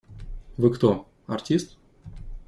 Вы кто? Артист?